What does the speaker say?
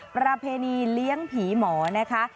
ประเพณีเลี้ยงผีหมอนะคะ